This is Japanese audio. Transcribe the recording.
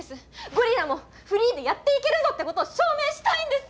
ゴリラもフリーでやっていけるぞってことを証明したいんです！